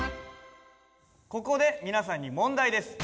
ここで皆さんに問題です。